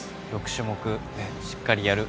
６種目しっかりやる。